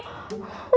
masa tadi mas tadi